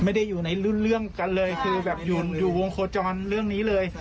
ไม่ได้อยู่ในรุ่นเรื่องกันเลยคือแบบอยู่วงโคจรเรื่องนี้เลย